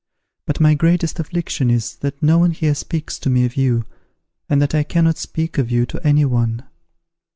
But my greatest affliction is, that no one here speaks to me of you, and that I cannot speak of you to any one.